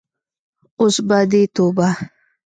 اوس به دې توبه.